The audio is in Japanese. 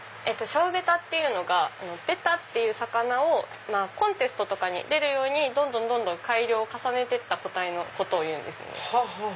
ショーベタというのがベタっていう魚をコンテストに出るようにどんどん改良を重ねた個体をいうんですね。